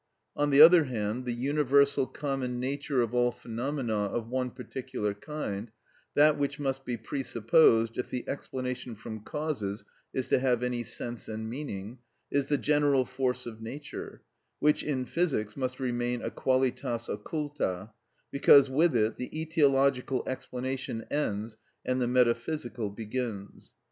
On the other hand, the universal common nature of all phenomena of one particular kind, that which must be presupposed if the explanation from causes is to have any sense and meaning, is the general force of nature, which, in physics, must remain a qualitas occulta, because with it the etiological explanation ends and the metaphysical begins.